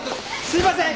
すいません！